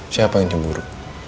siapa yang cemburu